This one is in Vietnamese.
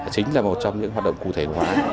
chính là một trong những hoạt động cụ thể hóa